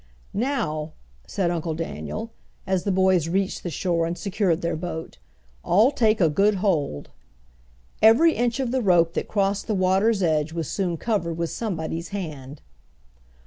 "Now," said Uncle Daniel, as the boys reached the shore and secured their boat, "all take a good hold." Every inch of the rope that crossed the water's edge was soon covered with somebody's hand.